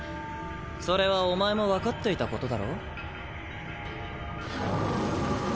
それはお前も分かっていたことだろ？